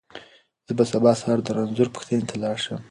زه به سبا سهار د رنځور پوښتنې ته لاړ شم.